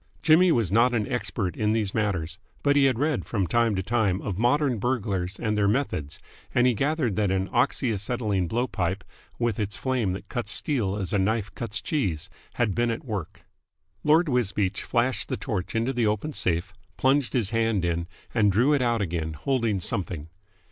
Jimmy was not an expert in these matters, but he had read from time to time of modern burglars and their methods, and he gathered that an oxy acetylene blow pipe, with its flame that cuts steel as a knife cuts cheese, had been at work. Lord Wisbeach flashed the torch into the open safe, plunged his hand in, and drew it out again, holding something.